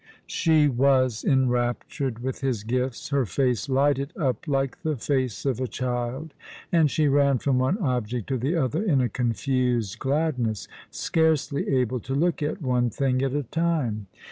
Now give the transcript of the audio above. She was enraptured with his gifts. Her face lighted up like the face of a child, and she ran from one object to the other in a confused gladness, scarcely able to look at one thing at a time.